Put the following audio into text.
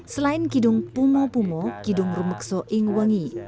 selain kidung pumo pumo kidung rumexo aengwayangikg partai sajikere